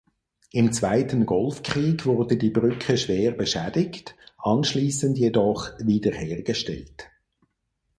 Im Zweiten Golfkrieg wurde die Brücke schwer beschädigt, anschließend jedoch wiederhergestellt.